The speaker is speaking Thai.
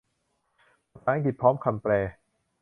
ภาษาอังกฤษ พร้อมคำแปล